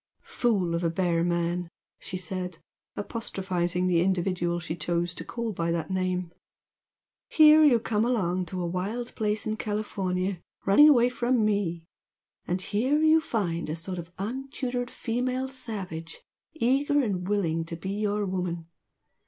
"Fool of a bear man!" she said, apostrophising the individual she chose to call by that name "Here you come along to a wild place in California running away from ME, and here you find a sort of untutored female savage eager and willing to be your 'woman!'